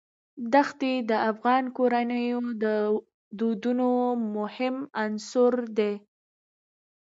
دښتې د افغان کورنیو د دودونو مهم عنصر دی.